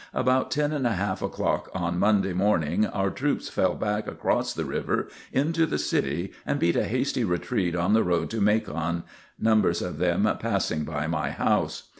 About ten and a half o'clock on Monday morning, our troops fell back across the river into the city and beat a hasty retreat on the road to Macon, numbers of them passing by my house.